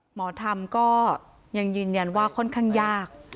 หมอธรรมก็ยังยืนยันว่าค่อนข้างยาก